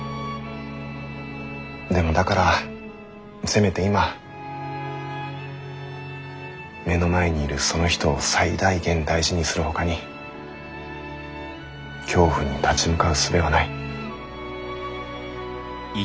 でもだからせめて今目の前にいるその人を最大限大事にするほかに恐怖に立ち向かうすべはない。